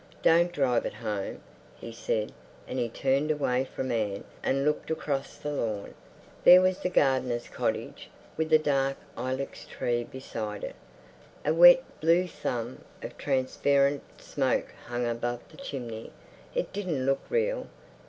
"Don't drive it home," he said, and he turned away from Anne and looked across the lawn. There was the gardener's cottage, with the dark ilex tree beside it. A wet, blue thumb of transparent smoke hung above the chimney. It didn't look real.